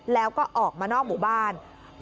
แล้วก็ออกมานอกหมู่บ้าน